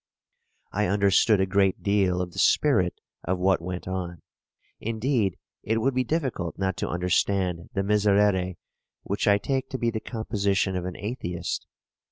I understood a great deal of the spirit of what went on. Indeed it would be difficult not to understand the Miserere, which I take to be the composition of an atheist.